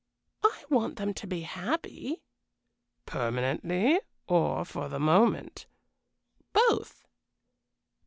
"I want them to be happy." "Permanently, or for the moment?" "Both."